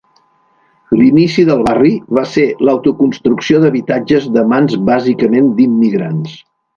L'inici del barri va ser l'autoconstrucció d'habitatges de mans bàsicament d'immigrants.